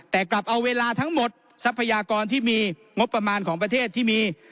แต่กลับเอาเวลาทั้งหมดทรัพยากรที่มีงบประมาณของประเทศที่มี